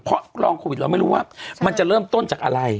เพราะรองโควิดเราไม่รู้ว่ามันจะเริ่มต้นจากอะไร